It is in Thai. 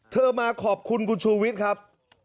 เธอมาขอบคุณคุณชูวิตครับ